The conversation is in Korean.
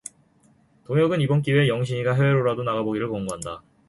동혁은 이번 기회에 영신이가 해외로라도 나가 보기를 권고한다.